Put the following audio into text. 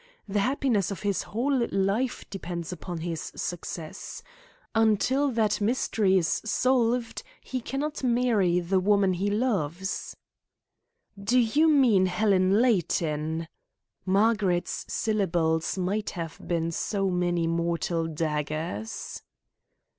The happiness of his whole life depends upon his success. Until that mystery is solved he cannot marry the woman he loves." "Do you mean Helen Layton?" Margaret's syllables might have been so many mortal daggers.